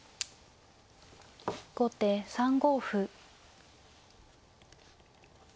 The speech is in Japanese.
後手３五歩。